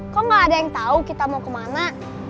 kok gak ada yang tahu kita mau kemana